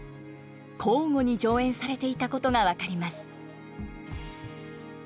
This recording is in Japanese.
交互に上演されていたことが分かります。